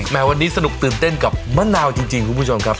วันนี้สนุกตื่นเต้นกับมะนาวจริงคุณผู้ชมครับ